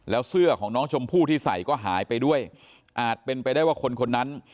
แล้วเสื้อของน้องชมพู่ที่ใส่ก็หายไปด้วยอาจเป็นไปได้ว่าคนคนนั้น